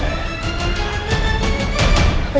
gak ada lagi